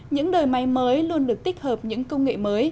những đời máy mới luôn được tích hợp những công nghệ mới